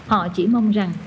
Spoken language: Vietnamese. họ chỉ mong rằng